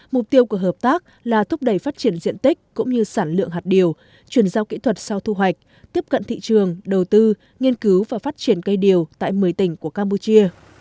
mục tiêu của hợp tác là thúc đẩy phát triển diện tích cũng như sản lượng hạt điều chuyển giao kỹ thuật sau thu hoạch tiếp cận thị trường đầu tư nghiên cứu và phát triển cây điều tại một mươi tỉnh của campuchia